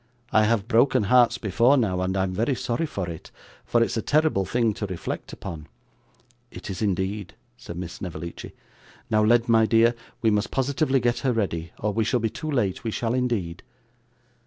I have broken hearts before now, and I'm very sorry for it: for it's a terrible thing to reflect upon.' 'It is indeed,' said Miss Snevellicci. 'Now Led, my dear, we must positively get her ready, or we shall be too late, we shall indeed.